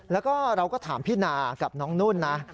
แล้วก็เราก็ถามพี่นากับน้องนุ่นนะ